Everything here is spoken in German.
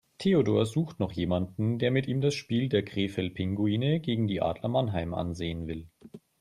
Theodor sucht noch jemanden, der mit ihm das Spiel der Krefeld Pinguine gegen die Adler Mannheim ansehen will.